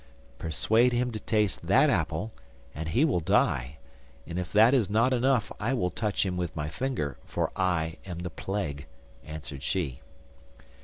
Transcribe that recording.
'Persuade him to taste that apple, and he will die, and if that is not enough I will touch him with my finger, for I am the plague,' answered she.